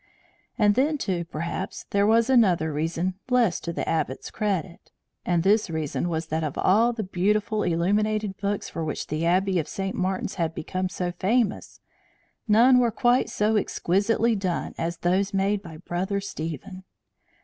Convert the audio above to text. And then, too, perhaps there was another reason less to the Abbot's credit; and this reason was that of all the beautiful illuminated books for which the Abbey of St. Martin's had become so famous, none were quite so exquisitely done as those made by Brother Stephen.